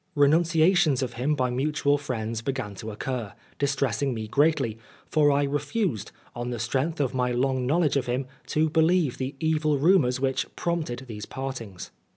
Renunciations of him by mutual friends began to occur, distressing me greatly, for I refused, on the strength of my long knowledge of him, to believe the evil rumours which prompted these partings.